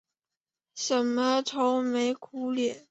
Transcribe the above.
为什么愁眉苦脸？